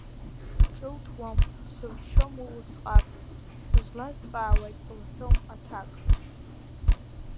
Ҿылҭуам, ԥсылшьом уи усҟак, узлазҵаауагь лҳәом аҭак.